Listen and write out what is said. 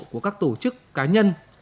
của các tổ chức cá nhân